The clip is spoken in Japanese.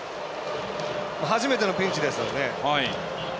初めてのピンチですよね。